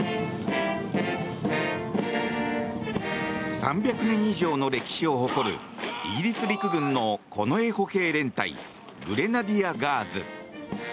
３００年以上の歴史を誇るイギリス陸軍の近衛歩兵連隊グレナディア・ガーズ。